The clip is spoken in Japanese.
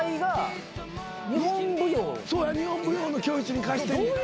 そうや日本舞踊の教室に貸してんねん。